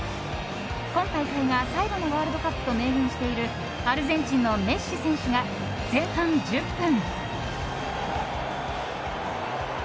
今大会が最後のワールドカップと明言しているアルゼンチンのメッシ選手が前半１０分。